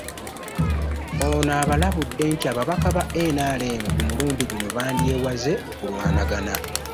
Ono abalabudde nti ababaka ba NRM ku mulundi guno bandyewaze okulwanagana